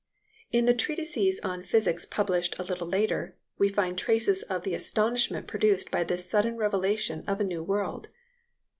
In the treatises on physics published a little later, we find traces of the astonishment produced by this sudden revelation of a new world.